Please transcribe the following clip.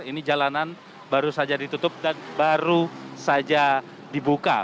ini jalanan baru saja ditutup dan baru saja dibuka